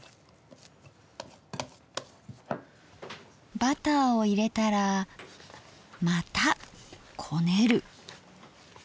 バターを入れたらまたこねる！